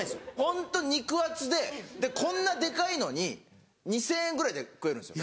ホント肉厚でこんなデカいのに２０００円ぐらいで食えるんですよ